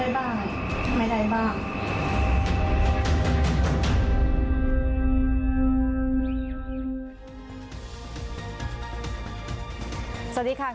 อันดับที่สุดท้าย